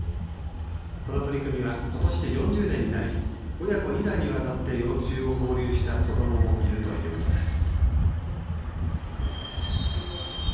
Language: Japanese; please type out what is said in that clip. この取り組みはことしで４０年になり親子２代にわたって幼虫を放流した子どももいるということです。